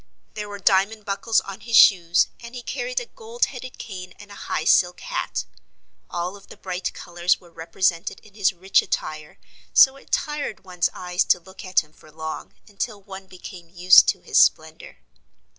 There were diamond buckles on his shoes and he carried a gold headed cane and a high silk hat. All of the bright colors were represented in his rich attire, so it tired one's eyes to look at him for long, until one became used to his splendor.